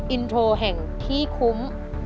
อินโทรแห่งที่คุ้ม